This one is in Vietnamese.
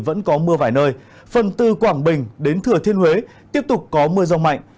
vẫn có mưa vài nơi phần từ quảng bình đến thừa thiên huế tiếp tục có mưa rông mạnh